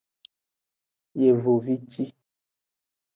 Yevovici.